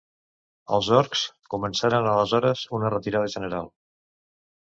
Els orcs començaren aleshores una retirada general.